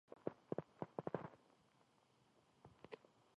아아, 그 야성적 힘과 남성적 부르짖음, 그 아래 감추어 있는 침통한 주림과 아픔